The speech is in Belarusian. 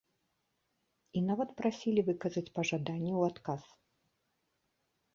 І нават прасілі выказаць пажаданні ў адказ.